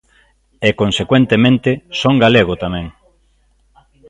E consecuentemente son galego tamén.